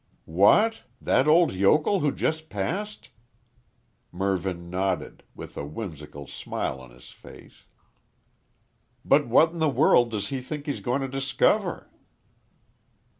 "What? That old yokel who just passed?" Mervyn nodded, with a whimsical smile on his face. "But what in the world does he think he's going to discover?"